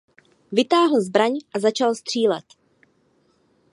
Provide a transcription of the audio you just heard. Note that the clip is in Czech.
Vytáhl zbraň a začal střílet.